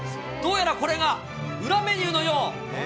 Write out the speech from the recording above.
どうやらこれが裏メニューのよう。